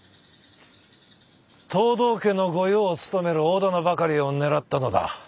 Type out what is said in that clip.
藤堂家の御用を務める大店ばかりを狙ったのだ。